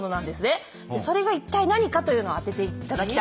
それが一体何かというのを当てていただきたい。